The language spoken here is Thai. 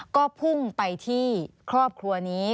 ก็พุ่งไปที่ครอบครัวนี้